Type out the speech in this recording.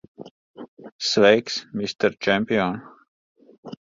Sveiks, mister čempion!